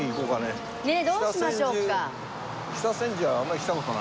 ねえどうしましょうか。